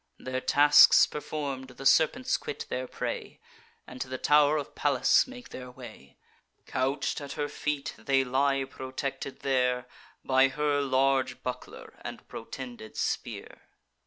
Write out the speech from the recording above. Their tasks perform'd, the serpents quit their prey, And to the tow'r of Pallas make their way: Couch'd at her feet, they lie protected there By her large buckler and protended spear.